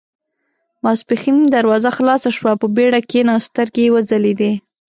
ماسپښين دروازه خلاصه شوه، په بېړه کېناست، سترګې يې وځلېدې.